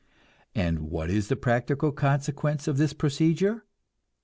And what is the practical consequence of this procedure?